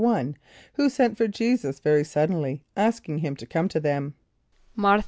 =1.= Who sent for J[=e]´[s+]us very suddenly, asking him to come to them? =Mär´th[.